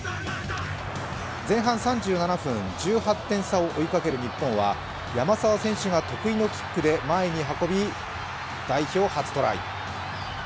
前半３７分、１８点差を追いかける日本は山沢選手が得意のキックで前に運び代表初トライ。